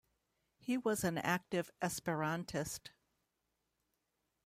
He was an active Esperantist.